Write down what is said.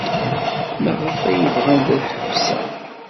Maɣef ay bɣant ad ḥebseɣ?